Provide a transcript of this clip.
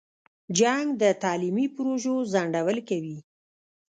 جنګ د تعلیمي پروژو ځنډول کوي.